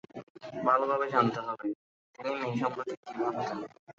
ভালোভাবে জানতে হবে, তিনি মেয়ে সম্পর্কে কী ভাবতেন।